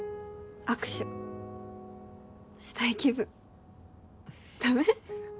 握手したい気分ダメ？